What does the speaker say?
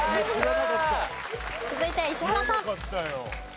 続いて石原さん。